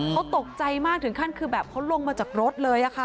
เขาตกใจมากถึงขั้นคือแบบเขาลงมาจากรถเลยค่ะ